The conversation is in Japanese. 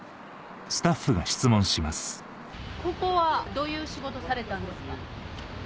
ここはどういう仕事されたんですか？